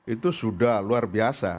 itu sudah luar biasa